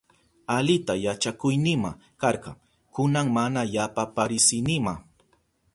Alita yachakuynima karka, kunan mana yapa parisinima.